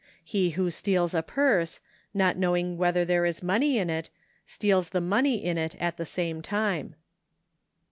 He who steals a purse, not knowing whether there is money in it, steals the money in it at the same time.